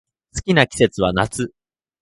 好きな季節は夏